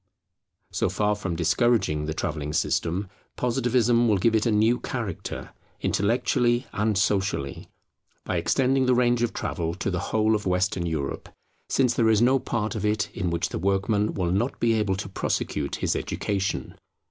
So far from discouraging the travelling system, Positivism will give it a new character, intellectually and socially, by extending the range of travel to the whole of Western Europe, since there is no part of it in which the workman will not be able to prosecute his education.